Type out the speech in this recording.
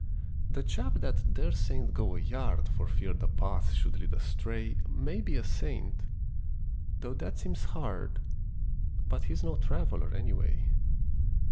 The chap that daresent go a yard For fear the path should lead astray May be a saint though that seems hard, But he's no traveller, any way.